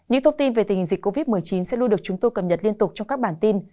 những thông tin về tình hình dịch covid một mươi chín sẽ luôn được chúng tôi cập nhật liên tục trong các bản tin